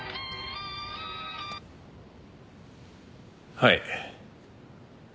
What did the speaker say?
はい。